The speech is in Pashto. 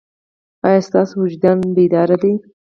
ایا ستاسو وجدان بیدار دی؟